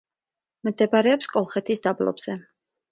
მდებარეობს კოლხეთის დაბლობზე.